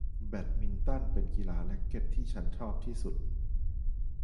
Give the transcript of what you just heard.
แบดมินตันเป็นกีฬาแร็คเก็ทที่ฉันชอบที่สุด